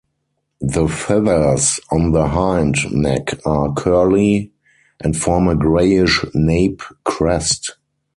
The feathers on the hind neck are curly and form a greyish nape crest.